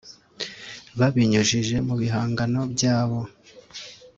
Babinyujije mu bihangano byabo